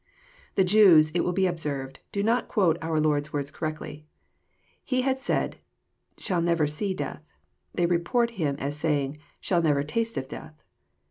The Jews, it will be observed, do not quote our Lonrs words correctly. He had said, " shall never see death." They report Him as saying, " shall never taste of death."